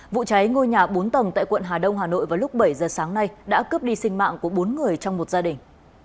vụ cháy ngôi nhà bốn tầng tại quận hà đông hà nội vào lúc bảy giờ sáng nay đã cướp đi sinh mạng của bốn người trong một gia đình